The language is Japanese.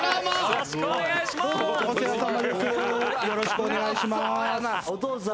よろしくお願いします。